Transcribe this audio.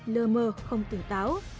lơ mờ không tỉnh táo